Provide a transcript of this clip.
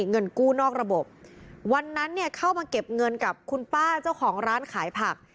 เงินกู้นอกระบบวันนั้นเนี่ยเข้ามาเก็บเงินกับคุณป้าเจ้าของร้านขายผัก